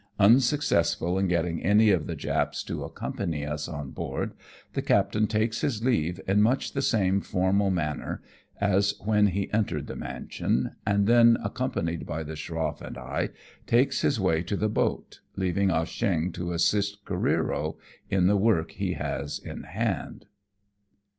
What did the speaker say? Unsuccessful in getting any of the Japs to accompany us oh board, the captain takes his leave in much the same formal manner as when he entered the mansion^ and then, accompanied by the schroff and I, takes his way to the boat, leaving Ah Cheong to assist Careero in the work he has in hand.